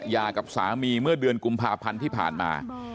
กับสามีเมื่อเดือนกุมภาพันธ์ที่ผ่านมา